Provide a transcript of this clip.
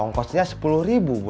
ongkosnya lima ribu